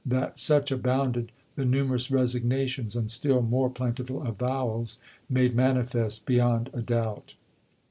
That such abounded, the numerous resignations and still more plentiful avowals made manifest beyond a doubt.